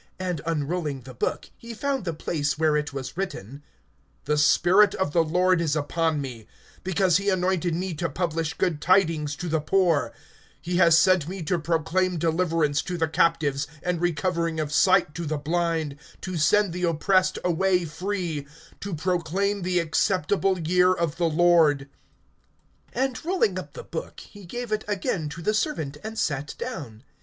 And unrolling the book, he found the place where it was written: (18)The Spirit of the Lord is upon me; Because he anointed me to publish good tidings to the poor; He has sent me to proclaim deliverance to the captives, And recovering of sight to the blind, To send the oppressed away free, (19)To proclaim the acceptable year of the Lord. (20)And rolling up the book he gave it again to the servant, and sat down.